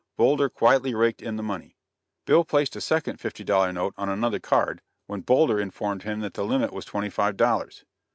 Boulder quietly raked in the money. Bill placed a second fifty dollar note on another card, when Boulder informed him that the limit was twenty five dollars.